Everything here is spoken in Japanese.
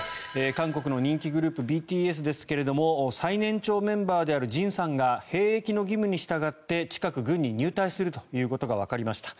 韓国の人気グループＢＴＳですが最年長メンバーであるＪＩＮさんが兵役義務に従って近く、軍に入隊するということがわかりました。